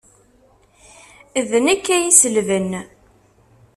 D nekk ay iselben.